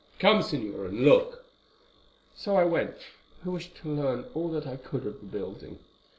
Come, Señora, and look.' "So I went, who wished to learn all that I could of the building.